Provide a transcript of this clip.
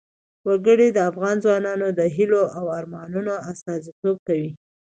وګړي د افغان ځوانانو د هیلو او ارمانونو استازیتوب کوي.